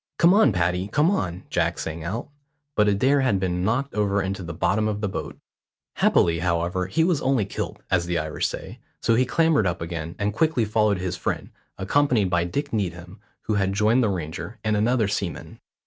"Come on, Paddy, come on," Jack sang out; but Adair had been knocked over into the bottom of the boat. Happily, however, he was only kilt, as the Irish say; so he clambered up again, and quickly followed his friend, accompanied by Dick Needham, who had joined the Ranger, and another seaman.